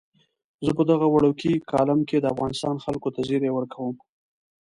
زه په دغه وړوکي کالم کې د افغانستان خلکو ته زیری ورکوم.